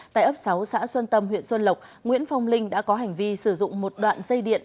tại ấp sáu xã xuân tâm huyện xuân lộc nguyễn phong linh đã có hành vi sử dụng một đoạn dây điện